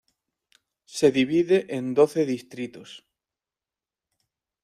Se divide en doce distritos.